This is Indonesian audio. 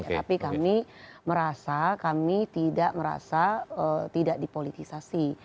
tapi kami merasa kami tidak merasa tidak dipolitisasi